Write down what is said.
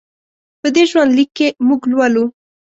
په دې ژوند لیک کې موږ لولو.